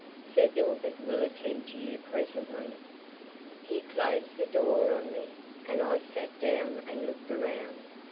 "Sir Gilbert will attend to you presently." He closed the door on me, and I sat down and looked around.